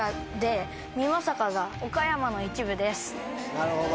なるほど。